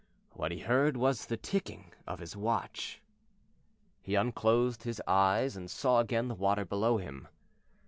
What he heard was the ticking of his watch. He unclosed his eyes and saw again the water below him.